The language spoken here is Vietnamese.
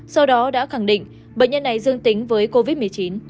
sau đó đã khẳng định bệnh nhân này dương tính với covid một mươi chín